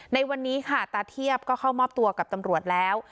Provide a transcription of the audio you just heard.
ในวันนี้ค่ะตาเทียบก็เข้ามอบตัวกับตำรวจแล้ว